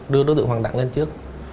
đưa đối tượng hoàng đặng lên trước